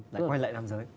lại quay lại nam giới